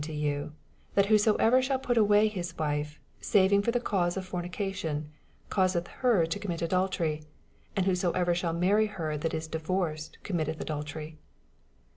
to yoa, That whoso ever ahall pat awkv his wife, aavinf for the canse of fom '^ation, oaaseth her to oommit adalterv : and whoeo ever ahall marry her that la divoroed committeth adiutery.